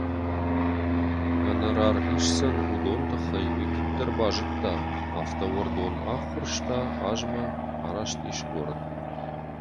Гонорар исдзӕн уыдон тыххӕй, уый куыддӕр базыдта, афтӕ уӕрдон аххуырста азмӕ араст ис горӕтмӕ.